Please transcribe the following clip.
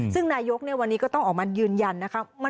ซึ่งนายกวันนี้ก็ต้องออกมายืนยันนะคะ